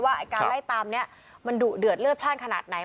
ไอ้การไล่ตามนี้มันดุเดือดเลือดพลาดขนาดไหน